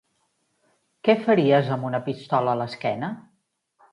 Què faries amb una pistola a l'esquena?